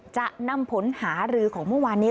จะนำผลหารือของเมื่อวานนี้